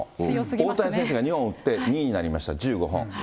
大谷選手が２本打って２位になりました、１５本。